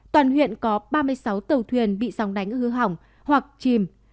toàn huyện có ba mươi sáu tàu thuyền bị sóng đánh hư hỏng hoặc chìm